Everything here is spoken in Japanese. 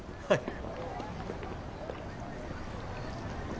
はい